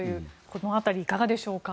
この辺りいかがでしょうか。